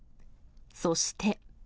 そして。